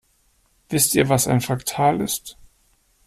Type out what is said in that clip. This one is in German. Wisst ihr, was ein Fraktal ist?